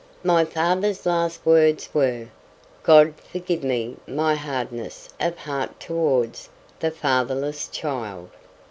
My father's last words were, "God forgive me my hardness of heart towards the fatherless child!"